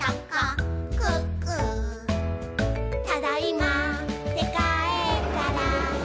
「ただいまーってかえったら」